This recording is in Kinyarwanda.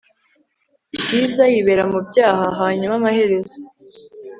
bwiza yibera mu byaha, hanyuma amaherezo